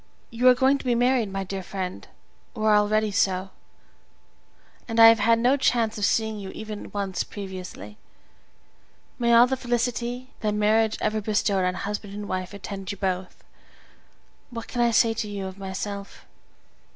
You are going to be married, my dear friend, or are already so, and I have had no chance of seeing you even once previously. May all the felicity that marriage ever bestowed on husband and wife attend you both! What can I say to you of myself?